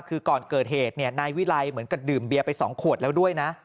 คือก่อนเกิดเหตุนายวิไลเหมือนกับดื่มเบียร์ไป๒ขวดแล้วด้วยนะ